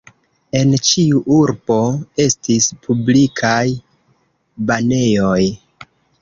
En ĉiu urbo estis publikaj banejoj.